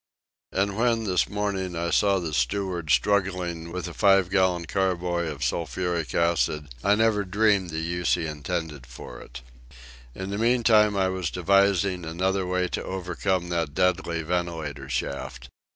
And when, this morning, I saw the steward struggling with a five gallon carboy of sulphuric acid, I never dreamed the use he intended for it. In the meantime I was devising another way to overcome that deadly ventilator shaft.